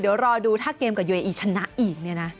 เดี๋ยวรอดูถ้าเกมกับโยเฮอีชนะอีก